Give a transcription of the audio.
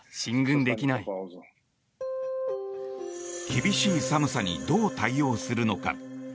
厳しい寒さにどう対応するのか。